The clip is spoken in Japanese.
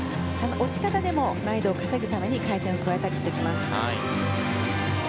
落ち方でも難易度を稼ぐために回転を加えたりしていきます。